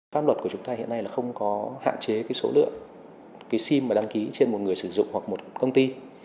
pháp luật của chúng ta hiện nay là không có hạn chế số lượng sim đăng ký trên một người sử dụng hoặc một công ty